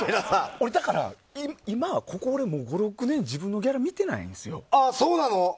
俺今、ここ５６年自分のギャラ見てないんですよ。